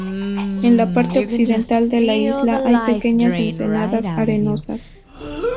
En la parte occidental de la isla hay pequeñas ensenadas arenosas.